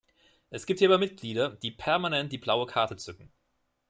Es gibt hier aber Mitglieder, die permanent die blaue Karte zücken.